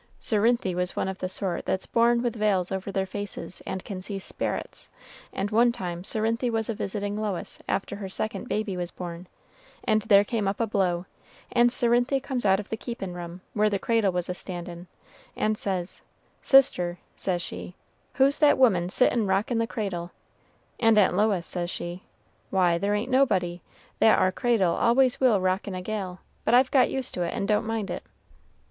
Cerinthy was one of the sort that's born with veils over their faces, and can see sperits; and one time Cerinthy was a visitin' Lois after her second baby was born, and there came up a blow, and Cerinthy comes out of the keepin' room, where the cradle was a standin', and says, 'Sister,' says she, 'who's that woman sittin' rockin' the cradle?' and Aunt Lois says she, 'Why, there ain't nobody. That ar cradle always will rock in a gale, but I've got used to it, and don't mind it.'